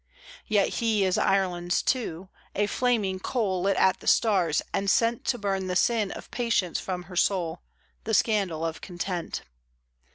Yet is he Ireland's too: a flaming coal Lit at the stars, and sent To burn the sin of patience from her soul, The scandal of content.